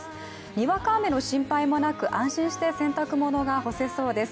にわか雨の心配もなく、安心して洗濯物が干せそうです。